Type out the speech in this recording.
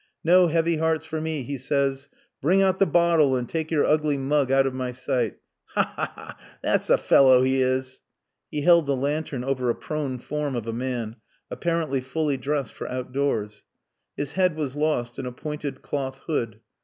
'No heavy hearts for me,' he says. 'Bring out the bottle and take your ugly mug out of my sight.' Ha! ha! ha! That's the fellow he is." He held the lantern over a prone form of a man, apparently fully dressed for outdoors. His head was lost in a pointed cloth hood.